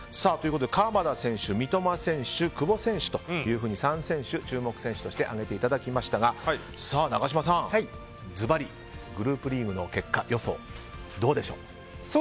鎌田選手、三笘選手、久保選手と３選手、注目選手として挙げていただきましたが永島さん、ずばりグループリーグの結果予想どうでしょうか。